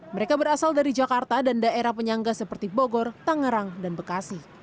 mereka berasal dari jakarta dan daerah penyangga seperti bogor tangerang dan bekasi